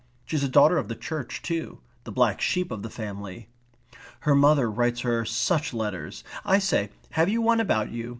She's a daughter of the church too. The black sheep of the family. Her mother writes her such letters. I say have you one about you?